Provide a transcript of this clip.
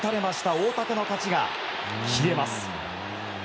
大竹の勝ちが消えます。